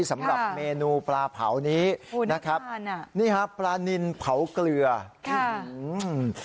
สำหรับเมนูปลาเผานี้นะครับนี่ฮะปลานินเผาเกลือค่ะ